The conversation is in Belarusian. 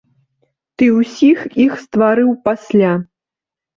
Ты ўсіх іх стварыў пасля.